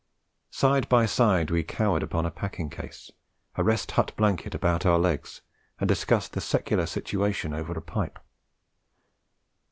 Side by side we cowered upon a packing case, a Rest Hut blanket about our legs, and discussed the secular situation over a pipe.